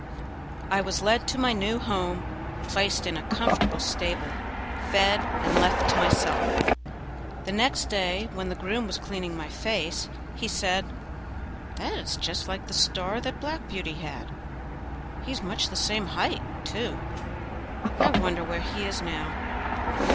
I was led to my new home, placed in a comfortable stable, fed, and left to myself. The next day, when the groom was cleaning my face, he said: "That is just like the star that 'Black Beauty' had; he is much the same height, too. I wonder where he is now."